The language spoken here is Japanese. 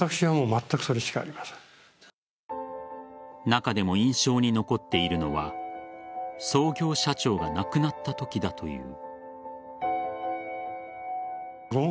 中でも印象に残っているのは創業社長が亡くなったときだという。